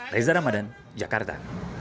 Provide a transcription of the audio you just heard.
reza ramadan jakarta